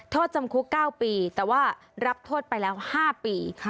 โทษจำคุก๙ปีแต่ว่ารับโทษไปแล้ว๕ปี